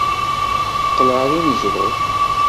Teqqel ɣer uneẓruf.